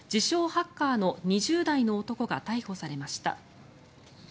・ハッカーの２０代の男が逮捕されました。